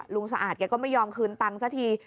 ลุงสะอาดเขาก็ไม่ยอมคืนตังค์ซะที